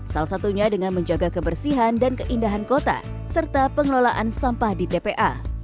salah satunya dengan menjaga kebersihan dan keindahan kota serta pengelolaan sampah di tpa